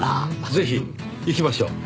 ぜひ行きましょう。